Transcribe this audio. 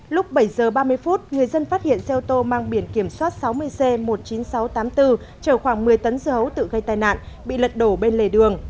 lúc bảy giờ ba mươi phút người dân phát hiện xe ô tô mang biển kiểm soát sáu mươi c một mươi chín nghìn sáu trăm tám mươi bốn chở khoảng một mươi tấn dấu tự gây tai nạn bị lật đổ bên lề đường